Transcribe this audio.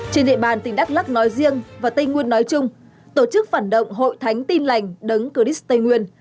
trên địa bàn tỉnh đắk lắc nói riêng và tây nguyên nói chung tổ chức phản động hội thánh tin lành đấng curis tây nguyên